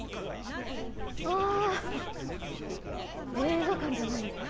映画館じゃないみたい。